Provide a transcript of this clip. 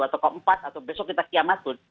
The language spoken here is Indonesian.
atau ke empat atau besok kita kiamat pun